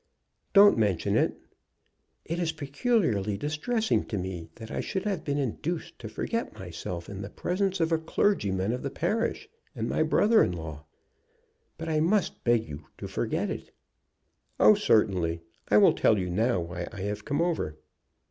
"Don't mention it." "It is peculiarly distressing to me that I should have been induced to forget myself in the presence of a clergyman of the parish and my brother in law. But I must beg you to forget it." "Oh, certainly. I will tell you now why I have come over."